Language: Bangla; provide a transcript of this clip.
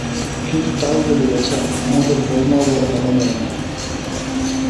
কিন্তু তাও বলি বাছা, আমাদের বউমাও বড়ো ভালো মেয়ে নয়।